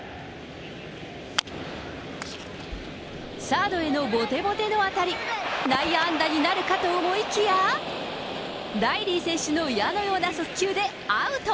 サードへのぼてぼての当たり、内野安打になるかと思いきや、ライリー選手の矢のような速球でアウト。